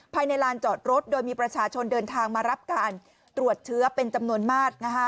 ภายในลานจอดรถโดยมีประชาชนเดินทางมารับการตรวจเชื้อเป็นจำนวนมาก